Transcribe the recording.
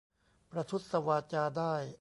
ประทุษวาจาได้